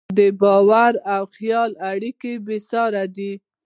د باور او خیال اړیکه بېساري ده.